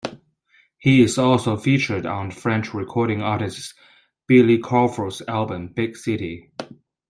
He is also featured on the French recording artist's Billy Crawford album, "Big City".